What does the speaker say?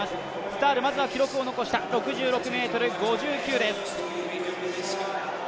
スタール、まずは記録を残した６６ｍ５９です。